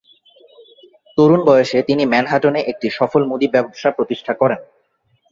তরুণ বয়সে তিনি ম্যানহাটনে একটি সফল মুদি ব্যবসা প্রতিষ্ঠা করেন।